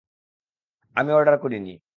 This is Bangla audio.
আমি অর্ডার করিনি।